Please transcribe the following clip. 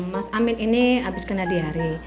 mas amin ini habis kena di hari